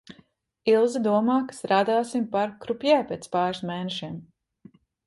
Ilze domā, ka strādāsim par krupjē pēc pāris mēnešiem.